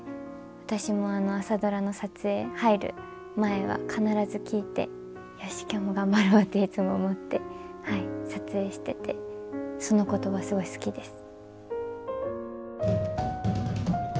私も「朝ドラ」の撮影入る前は必ず聴いて「よし今日も頑張ろう」っていつも思って撮影しててその言葉すごい好きです。